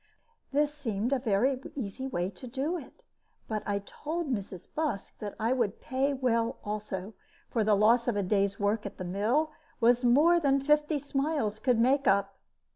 This seemed a very easy way to do it. But I told Mrs. Busk that I would pay well also, for the loss of a day's work at the mill was more than fifty smiles could make up.